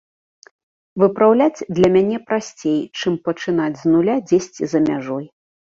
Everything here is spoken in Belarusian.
Выпраўляць для мяне прасцей, чым пачынаць з нуля дзесьці за мяжой.